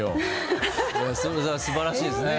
・素晴らしいですね。